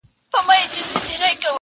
نه يوه له بله ځان سو خلاصولاى-